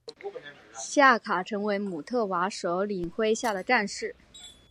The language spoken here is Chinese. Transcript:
夏卡成为姆特瓦首领麾下的战士。